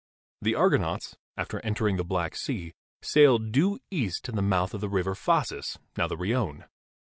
The Argonauts, after entering the Black Sea, sailed due east to the mouth of the River Phasis, now the Rione.